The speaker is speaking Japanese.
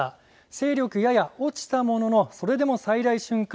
勢力やや落ちたもののそれでも最大瞬間